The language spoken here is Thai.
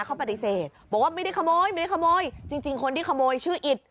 เขาปฏิเสธบอกว่าไม่ได้ขโมยจริงคนที่ขโมยชื่ออิฐ